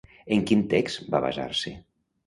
En quin text va basar-se?